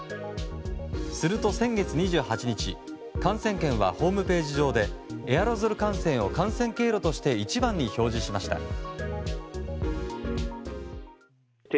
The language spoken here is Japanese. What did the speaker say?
すると先月２８日感染研はホームページ上でエアロゾル感染を感染経路として一番に表示しました。